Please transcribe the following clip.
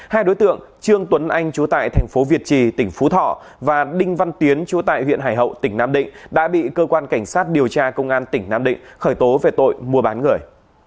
hai đối tượng trương tuấn anh chú tại thành phố việt trì tỉnh phú thọ và đinh văn tiến chú tại huyện hải hậu tỉnh nam định đã bị cơ quan cảnh sát điều tra công an tỉnh nam định khởi tố về tội mua bán người